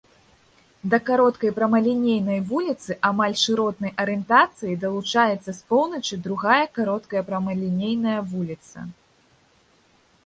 Да кароткай прамалінейнай вуліцы амаль шыротнай арыентацыі далучаецца з поўначы другая кароткая прамалінейная вуліца.